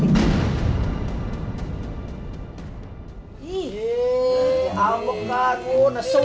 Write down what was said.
ih abu abu nesu nesu